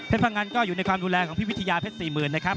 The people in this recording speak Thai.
พังงันก็อยู่ในความดูแลของพี่วิทยาเพชร๔๐๐๐นะครับ